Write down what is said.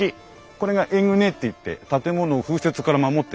これがエグネっていって建物を風雪から守ってるんですね。